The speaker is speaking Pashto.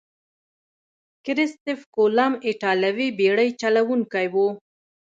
کرستف کولمب ایتالوي بیړۍ چلوونکی وو.